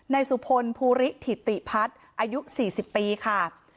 สุพลภูริถิติพัฒน์อายุ๔๐ปีค่ะ